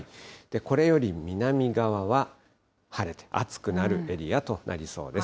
これより南側は晴れて暑くなるエリアとなりそうです。